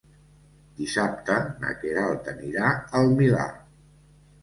Dissabte na Queralt anirà al Milà.